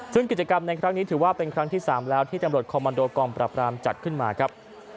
ซึ่งกิจกรรมในครั้งนี้ถือว่าเป็นครั้งที่๓แล้วที่ตำรวจคอมมันโดกองปรับรามจัดขึ้นมาครับ